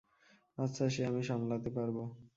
আচ্ছা, সে আমি সামলাতে পারব।